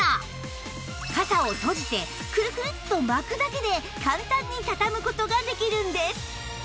傘を閉じてクルクルッと巻くだけで簡単にたたむ事ができるんです